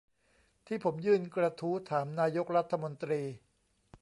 ที่ผมยื่นกระทู้ถามนายกรัฐมนตรี